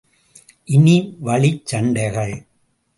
இன வழிச் சண்டைகள்!